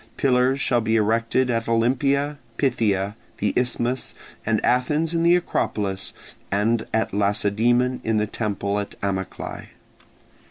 Pillars shall be erected at Olympia, Pythia, the Isthmus, at Athens in the Acropolis, and at Lacedaemon in the temple at Amyclae.